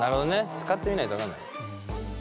使ってみないと分かんないもんね。